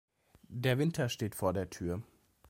Der Winter steht vor der Tür.